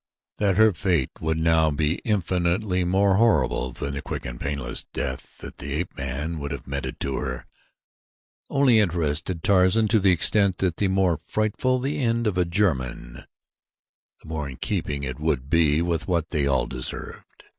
That her fate would now be infinitely more horrible than the quick and painless death that the ape man would have meted to her only interested Tarzan to the extent that the more frightful the end of a German the more in keeping it would be with what they all deserved.